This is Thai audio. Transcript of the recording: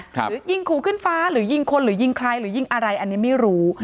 หรือยิงขู่ขึ้นฟ้าหรือยิงคนหรือยิงใครหรือยิงอะไรอันนี้ไม่รู้